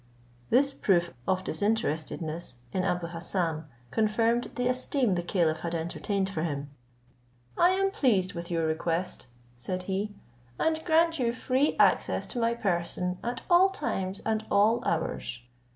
This proof of disinterestedness in Abou Hassan confirmed the esteem the caliph had entertained for him. "I am pleased with your request," said he, "and grant you free access to my person at all times and all hours."